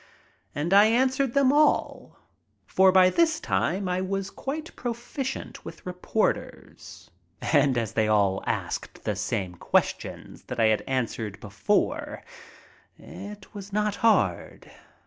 And I answered them all, for by this time I was quite proficient with reporters, and as they all asked the same questions that I had answered before it was not hard.